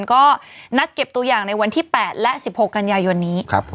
ก็นัดเก็บตัวอย่างในวันที่๘และ๑๖กันยายนนี้